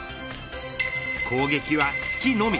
攻撃は突きのみ。